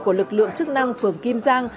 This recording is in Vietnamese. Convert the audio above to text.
của lực lượng chức năng phường kim giang